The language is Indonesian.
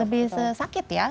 lebih sakit ya